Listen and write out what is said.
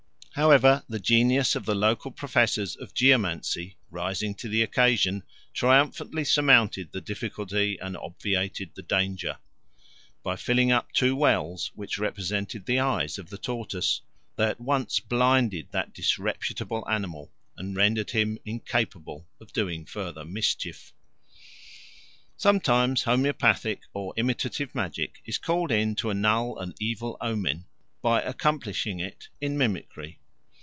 However, the genius of the local professors of geomancy, rising to the occasion, triumphantly surmounted the difficulty and obviated the danger. By filling up two wells, which represented the eyes of the tortoise, they at once blinded that disreputable animal and rendered him incapable of doing further mischief. Sometimes homoeopathic or imitative magic is called in to annul an evil omen by accomplishing it in mimicry.